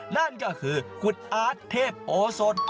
นั่นก็คือคุณอาทเทพโอสต์